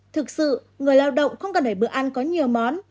thực sự người lao động không cần để bữa ăn có nhiều món